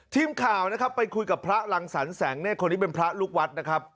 ทีมข่าวนะครับไปคุยกับพระรังสรรแสงเศษคนนี้เป็นพระลูกวัดนะครับ